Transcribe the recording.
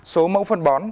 số mẫu phân bón